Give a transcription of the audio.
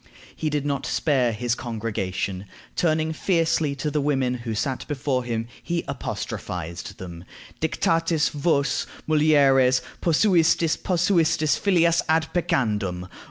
He did not spare his congregation. Turning fiercely to the women who sat before him, he apostrophized them: "Dicatis, vos, mulieres, posuistis, posuistis filias ad peccandum?